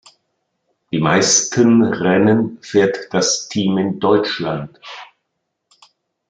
Die meisten Rennen fährt das Team in Deutschland.